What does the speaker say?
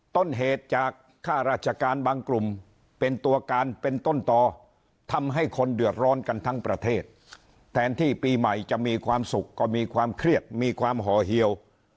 ต้นเหตุจากค่าราชการบางกลุ่มเป็นตัวการเป็นต้นต่อทำให้คนเดือดร้อนกันทั้งประเทศแทนที่ปีใหม่จะมีความสุขก็มีความเครียดมีความห่อเหี่ยว